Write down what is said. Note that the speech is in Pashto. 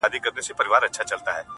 • ژړا؛ سلگۍ زما د ژوند د تسلسل نښه ده؛